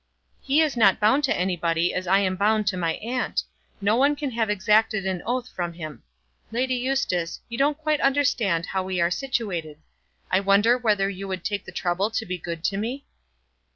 "He is not bound to anybody as I am bound to my aunt. No one can have exacted an oath from him. Lady Eustace, you don't quite understand how we are situated. I wonder whether you would take the trouble to be good to me?"